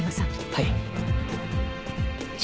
はい。